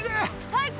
最高！